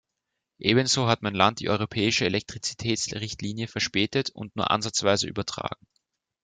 Ebenso hat mein Land die europäische Elektrizitätsrichtlinie verspätet und nur ansatzweise übertragen.